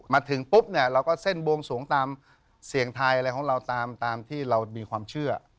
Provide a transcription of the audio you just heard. มาถึงปุ๊บเนี่ยเราก็เส้นบวงสวงตามเสียงไทยอะไรของเราตามที่เรามีความเชื่อ